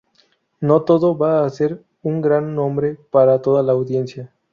No todo va a ser un gran nombre para toda la audiencia.